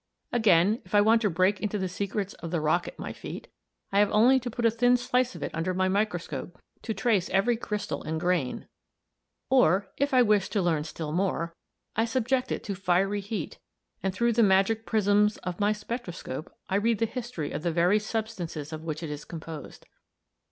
Again, if I want to break into the secrets of the rock at my feet, I have only to put a thin slice of it under my microscope to trace every crystal and grain; or, if I wish to learn still more, I subject it to fiery heat, and through the magic prisms of my spectroscope I read the history of the very substances of which it is composed.